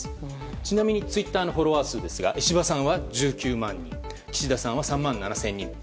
ちなみにツイッターのフォロワー数石破さんは１９万人岸田さんは３万７０００人。